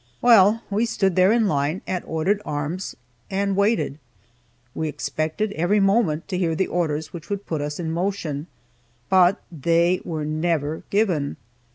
Well, we stood there in line, at ordered arms, and waited. We expected, every moment, to hear the orders which would put us in motion but they were never given.